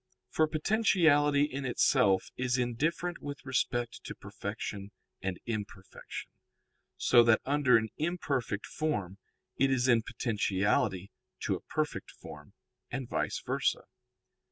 For potentiality in itself is indifferent with respect to perfection and imperfection, so that under an imperfect form it is in potentiality to a perfect form, and _vice versa.